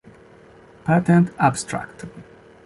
Patent abstract".